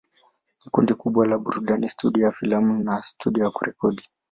Ni kundi kubwa la burudani, studio ya filamu na studio ya rekodi.